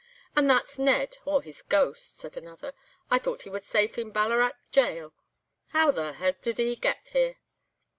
"'And that's Ned, or his ghost,' said another. 'I thought he was safe in Ballarat Gaol. How the h—l did they get here?